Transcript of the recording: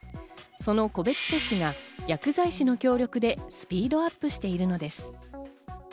その個別接種が薬剤師の協力でスピードアップしているのです。